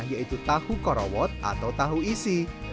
yaitu tahu korowot atau tahu isi